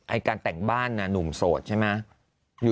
ไอ้การแต่งบ้านหนุ่มโสดใช่ไหม